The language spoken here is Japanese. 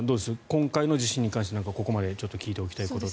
今回の地震に関してここまでで聞いておきたいことは。